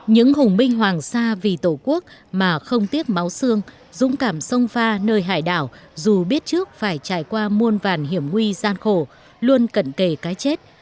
những hùng minh hoàng sa vì tổ quốc mà không tiếc máu xương dũng cảm sông pha nơi hải đảo dù biết trước phải trải qua muôn vàn hiểm nguy gian khổ luôn cận kề cái chết